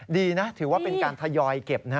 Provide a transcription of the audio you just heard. ดีนะถือว่าเป็นการทยอยเก็บ